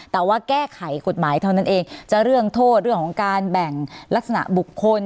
แต่ว่าแก้ไขกฎหมายเท่านั้นเองจะเรื่องโทษเรื่องของการแบ่งลักษณะบุคคล